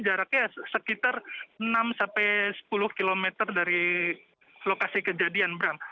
jaraknya sekitar enam sampai sepuluh km dari lokasi kejadian bram